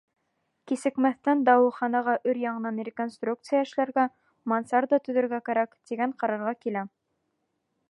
Кисекмәҫтән дауаханаға өр-яңынан реконструкция эшләргә, мансарда төҙөргә кәрәк, тигән ҡарарға килә.